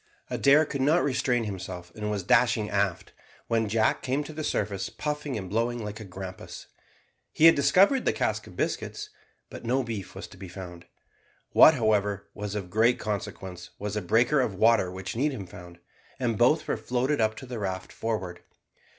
Adair could not restrain himself, and was dashing aft, when Jack came to the surface puffing and blowing like a grampus. He had discovered the cask of biscuits, but no beef was to be found. What, however, was of great consequence, was a breaker of water which Needham found, and both were floated up to the raft forward.